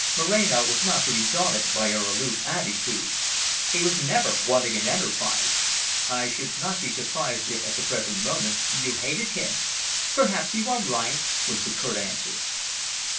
Moreno was not to be daunted by her aloof attitude. He was never wanting in enterprise. "I should not be surprised if, at the present moment, you hated him." "Perhaps you are right," was the curt answer.